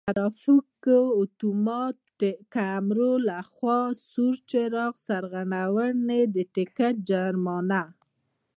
د ترافیکو آتومات کیمرو له خوا د سور څراغ سرغړونې ټکټ جرمانه: